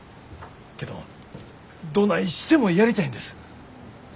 けどどないしてもやりたいんです。